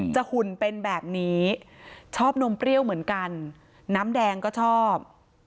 หุ่นเป็นแบบนี้ชอบนมเปรี้ยวเหมือนกันน้ำแดงก็ชอบ